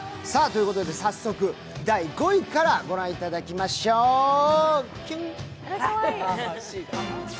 早速、第５位からご覧いただきましょう、キュン。